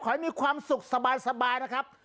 ให้มีความสุขสบายนะครับ